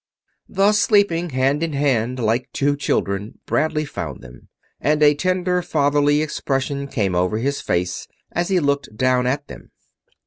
Thus sleeping hand in hand like two children Bradley found them, and a tender, fatherly expression came over his face as he looked down at them.